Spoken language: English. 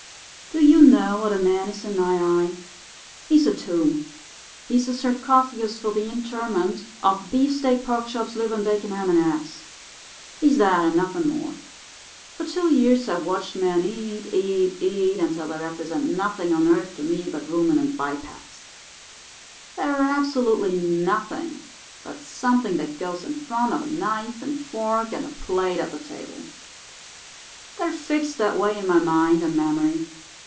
Do you know what a man is in my eye? He's a tomb. He's a sarcophagus for the interment of Beafsteakporkchopsliver'nbaconham andeggs. He's that and nothing more. For two years I've watched men eat, eat, eat, until they represent nothing on earth to me but ruminant bipeds. They're absolutely nothing but something that goes in front of a knife and fork and plate at the table. They're fixed that way in my mind and memory.